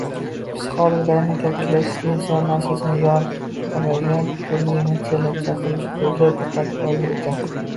Psixologlarning ta`kidlashicha insonni asosan yarqiragan turli emosiyalarni chiqaruvchi ko`zlar diqqatini olar ekan